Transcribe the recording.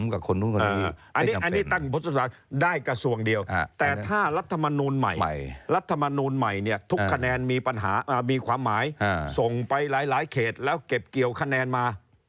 กระทรวงเกี่ยวกับความมั่นคงหมายถ้าละตำรวจหนุ่อยทหาร